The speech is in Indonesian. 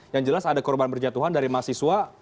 yang jelas ada korban berjatuhan dari mahasiswa